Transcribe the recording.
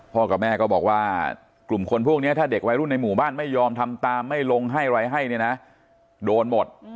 กับแม่ก็บอกว่ากลุ่มคนพวกนี้ถ้าเด็กวัยรุ่นในหมู่บ้านไม่ยอมทำตามไม่ลงให้อะไรให้เนี่ยนะโดนหมด